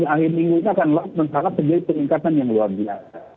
akhir minggu ini akan nge lockdown sangat menjadi peningkatan yang luar biasa